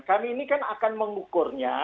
kami ini kan akan mengukurnya